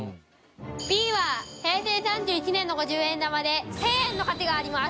Ｂは平成３１年の５０円玉で１０００円の価値があります。